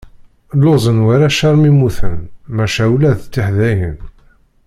Lluẓen warrac armi mmuten, maca ula d tiḥdayin.